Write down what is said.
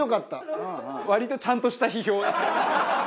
割とちゃんとした批評だった。